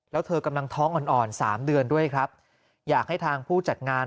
แล้วเธอกำลังท้องอ่อนอ่อนสามเดือนด้วยครับอยากให้ทางผู้จัดงาน